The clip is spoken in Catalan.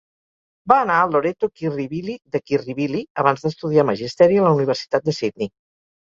Va anar al Loreto Kirribilli de Kirribilli abans d'estudiar magisteri a la universitat de Sydney.